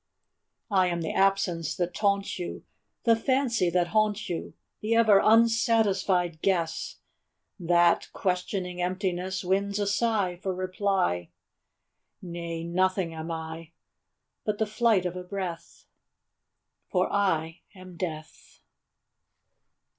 I am the absence that taunts you, The fancy that haunts you; The ever unsatisfied guess That, questioning emptiness, Wins a sigh for reply. Nay; nothing am I, But the flight of a breath For I am Death!